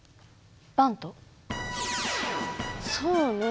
そうね